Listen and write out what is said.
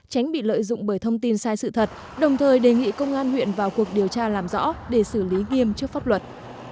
tránh bị lợi dụng bởi thông tin sai sự thật đồng thời đề nghị công an huyện vào cuộc điều tra làm rõ để xử lý nghiêm trước pháp luật